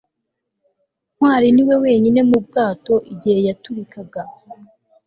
ntwali niwe wenyine mu bwato igihe yaturikaga